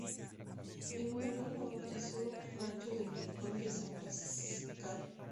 Eulalia la bautizó Rancho del Rincón de San Pasqual.